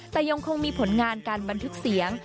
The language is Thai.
แต่ยังคงมีผลงานการบันทึกเสียง